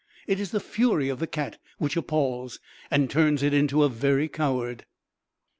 It is the fury of the cat which appalls, and turns it into a very coward.